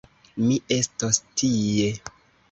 Mi estos tie.